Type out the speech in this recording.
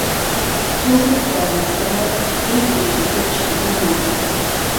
تۆزێک به نسار، ئهی وهی جێگهت چیمهنه